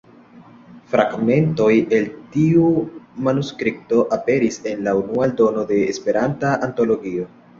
Fragmentoj el tiu manuskripto aperis en la unua eldono de "Esperanta Antologio".